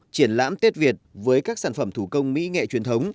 triển lãm tết việt với các sản phẩm thủ công mỹ nghệ truyền thống